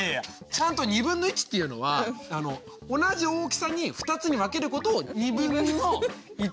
ちゃんとっていうのは同じ大きさに２つに分けることをっていうの。